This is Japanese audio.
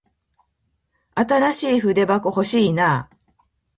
新しい筆箱欲しいな。